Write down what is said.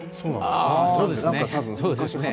そうですね。